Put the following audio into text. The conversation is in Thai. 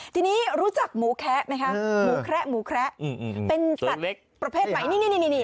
ทีนี้รู้จักหมูแคะไหมคะหมูแคระหมูแคระเป็นสัตว์ประเภทใหม่นี่